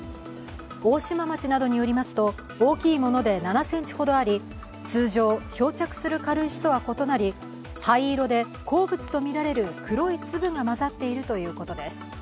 大島町などによりますと、大きいもので７ｃｍほどあり、通常、漂着する軽石とは異なり灰色で鉱物とみられる黒い粒が交ざっているということです。